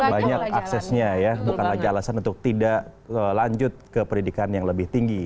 banyak aksesnya ya bukanlah alasan untuk tidak lanjut ke pendidikan yang lebih tinggi